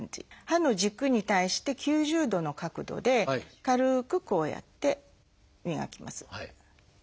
歯の軸に対して９０度の角度で軽くこうやって磨きます。